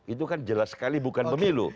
itu kan jelas sekali bukan pemilu